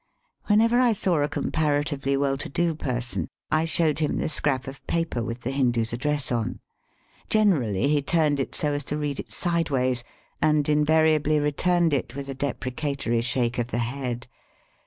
Whenever I saw a comparatively well to do person I showed him the scrap of paper with the Hindoo's address on. Generally he tmned it so as to read it sideways, and in variably returned it with a deprecatory shake of the head.